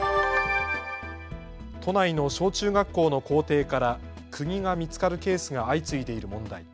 都内の小中学校の校庭からくぎが見つかるケースが相次いでいる問題。